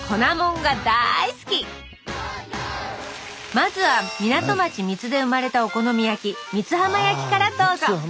まずは港町三津で生まれたお好み焼き三津浜焼きからどうぞ！